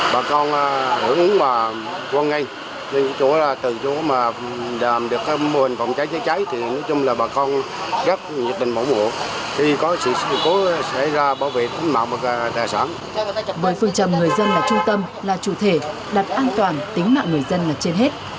với phương châm người dân là trung tâm là chủ thể đặt an toàn tính mạng người dân là trên hết